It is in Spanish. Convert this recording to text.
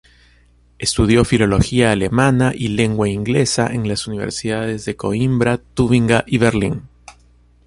Estudió Filología alemana y lengua inglesa en las universidades de Coimbra, Tubinga y Berlín.